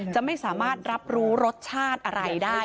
จะไม่สามารถรับรู้รสชาติอะไรได้